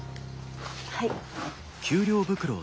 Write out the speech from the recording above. はい。